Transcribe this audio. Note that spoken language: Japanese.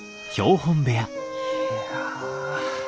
いや。